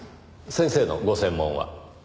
先生のご専門は？